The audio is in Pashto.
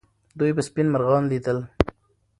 دوی به سپین مرغان لیدل.